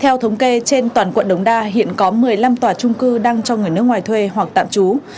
theo thống kê trên toàn quận đống đa hiện có một mươi năm tòa trung cư đang cho người nước ngoài thuê hoặc tạm trú